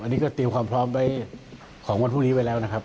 อันนี้ก็เตรียมความพร้อมไว้ของวันพรุ่งนี้ไว้แล้วนะครับ